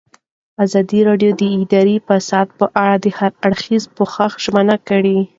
ازادي راډیو د اداري فساد په اړه د هر اړخیز پوښښ ژمنه کړې.